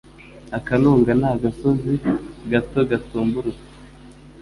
Akanunga ni agasozi gato, gatumburutse.